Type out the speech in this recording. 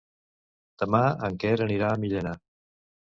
Demà en Quer anirà a Millena.